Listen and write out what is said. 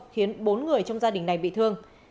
khiến bốn người trong gia đình này bị thương